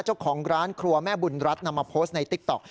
เจ้าของร้านครัวแม่บุญรัฐนำมาโพสต์ในติ๊กต๊อก